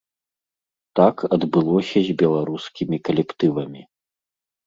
Так адбылося з беларускімі калектывамі.